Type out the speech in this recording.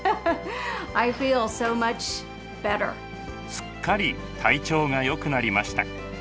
すっかり体調がよくなりました。